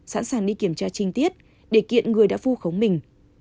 sẵn sàng đi kiểm tra trinh tiết để kiện người đã phu khống mình